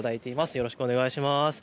よろしくお願いします。